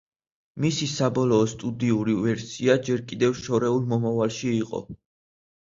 მისი საბოლოო სტუდიური ვერსია ჯერ კიდევ შორეულ მომავალში იყო.